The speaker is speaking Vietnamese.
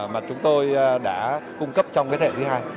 mà chúng tôi đã cung cấp trong cái thẻ thứ hai